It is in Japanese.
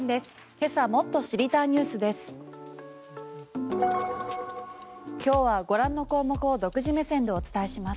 今朝もっと知りたいニュースです。